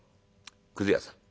「くず屋さん